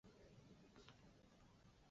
接受死亡好吗？